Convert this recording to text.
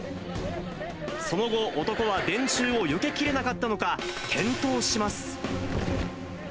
その後、男は電柱をよけきれなかったのか、転倒します。